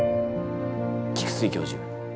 菊水教授。